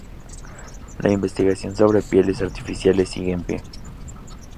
La investigación sobre pieles artificiales sigue en pie.